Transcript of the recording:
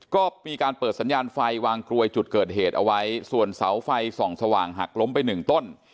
ก็มีการเปิดสัญญาณไฟวางกลวยจุดเกิดเหตุเอาไว้ส่วนเสาไฟส่องสว่างหักล้มไปหนึ่งต้น